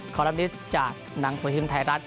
ขอรับนี้จากหนังสวทิศมน์ไทยรัฐ